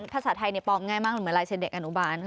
ภาษาไทยเนี่ยปลอมง่ายมากเหมือนเมื่อลายเซ็นต์เด็กอนุบาล